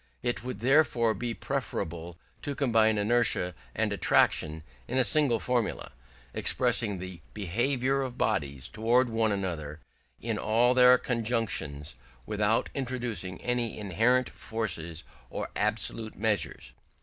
It would therefore be preferable to combine inertia and attraction in a single formula, expressing the behaviour of bodies towards one another in all their conjunctions, without introducing any inherent forces or absolute measures.